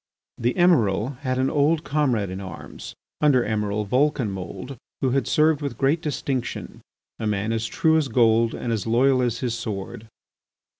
The Emiral had an old comrade in arms, Under Emiral Vulcanmould, who had served with great distinction, a man as true as gold and as loyal as his sword.